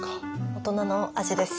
大人の味です。